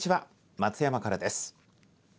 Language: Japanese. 松山からです。